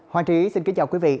hoàng trí xin kính chào quý vị